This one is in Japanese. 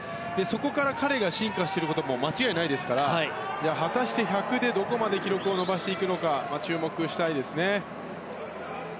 そこから彼が進化していることは間違いないですから果たして１００でどこまで記録を伸ばしていくのか注目したいですね。